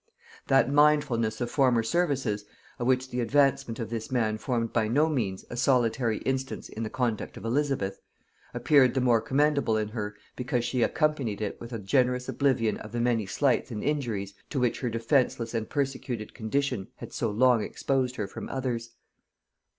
That mindfulness of former services, of which the advancement of this man formed by no means a solitary instance in the conduct of Elizabeth, appeared the more commendable in her, because she accompanied it with a generous oblivion of the many slights and injuries to which her defenceless and persecuted condition had so long exposed her from others.